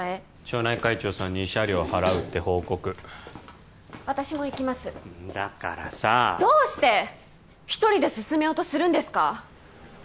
町内会長さんに慰謝料払うって報告私も行きますだからさどうして一人で進めようとするんですか？